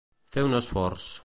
Fer un esforç.